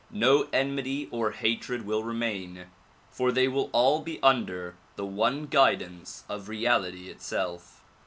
No enmity or hatred will remain for they will all be under the one guidance of reality itself.